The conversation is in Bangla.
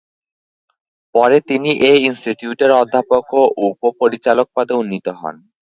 পরে তিনি এই ইনস্টিটিউটের অধ্যাপক ও উপ-পরিচালক পদে উন্নীত হন।